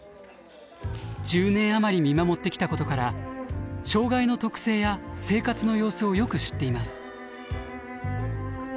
１０年余り見守ってきたことから障害の特性や生活の様子をよく知っています。